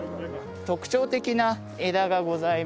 特徴的な枝がございまして。